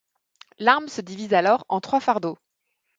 L'arme se divise alors en trois fardeaux.